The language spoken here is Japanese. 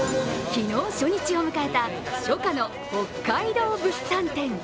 昨日、初日を迎えた初夏の北海道物産展。